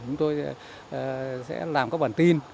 chúng tôi sẽ làm các bản tin